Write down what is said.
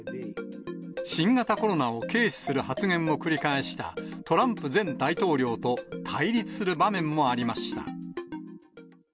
新型コロナを軽視する発言を繰り返したトランプ前大統領と対立する場面もありました。